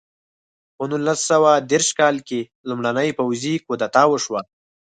په نولس سوه دېرش کال کې لومړنۍ پوځي کودتا وشوه.